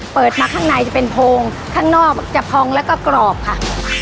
เปิดมาข้างในจะเป็นโพงข้างนอกจะพองแล้วก็กรอบค่ะ